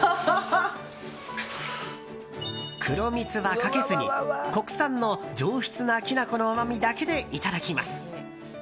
黒蜜はかけずに国産の上質なきな粉の甘みだけでいただきます。